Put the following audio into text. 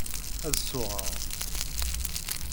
Ad suɣeɣ.